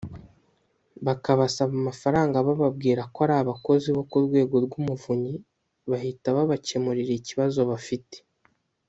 bakabasaba amafaranga bababwira ko ari abakozi bo ku rwego rw’Umuvumyi bahita babakemurira ikibazo bafite